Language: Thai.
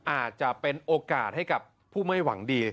อาจจะเป็นโอกาสให้กับผู้ไม่หวังดี